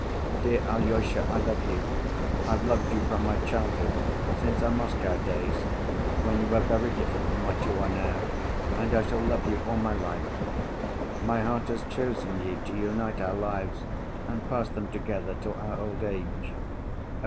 Dear Alyosha, I love you, I've loved you from my childhood, since our Moscow days, when you were very different from what you are now, and I shall love you all my life. My heart has chosen you, to unite our lives, and pass them together till our old age.